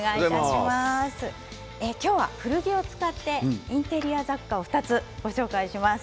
今日は古着を使ってインテリア雑貨を２つご紹介します。